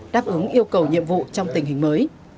đáp ứng yêu cầu nhiệm vụ trong tình hình mới